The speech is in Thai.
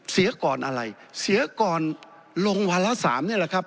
เสียกรอะไรเสียกรลงวลศามนี่แหละครับ